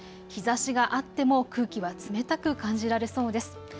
日ざしがあっても空気は冷たく感じられそうです。